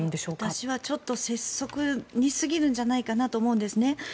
私はちょっと拙速に過ぎるんじゃないかと思うんですね。